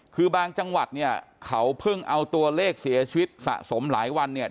คือบางจังหวัดเนี่ยเขาเพิ่งเอาตัวเลขเสียชีวิตสะสมหลายวันเนี่ย